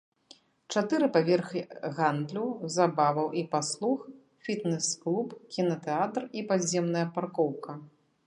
Чатыры паверхі гандлю, забаваў і паслуг, фітнэс-клуб, кінатэатр і падземная паркоўка.